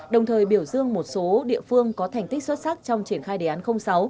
đồng thời biểu dương một số địa phương có thành tích xuất sắc trong triển khai đề án sáu